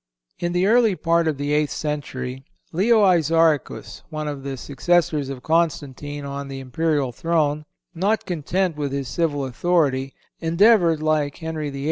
In the early part of the eighth century Leo Isauricus, one of the successors of Constantine on the imperial throne, not content with his civil authority, endeavored, like Henry VIII.